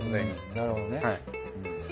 なるほどね。